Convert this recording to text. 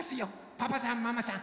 パパさんママさん